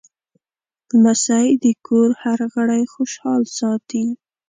لمسی د کور هر غړی خوشحال ساتي.